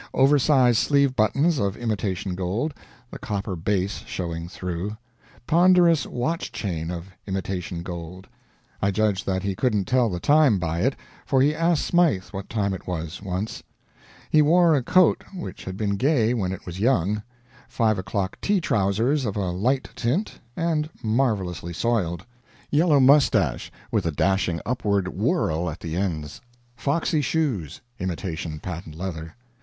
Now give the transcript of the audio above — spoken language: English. Oversized sleeve buttons of imitation gold, the copper base showing through. Ponderous watch chain of imitation gold. I judge that he couldn't tell the time by it, for he asked Smythe what time it was, once. He wore a coat which had been gay when it was young; 5 o'clock tea trousers of a light tint, and marvelously soiled; yellow mustache with a dashing upward whirl at the ends; foxy shoes, imitation patent leather.